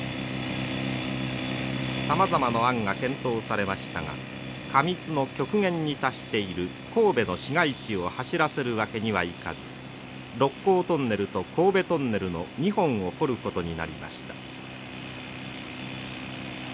さまざまの案が検討されましたが過密の極限に達している神戸の市街地を走らせるわけにはいかず六甲トンネルと神戸トンネルの２本を掘ることになりました。